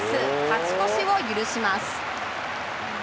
勝ち越しを許します。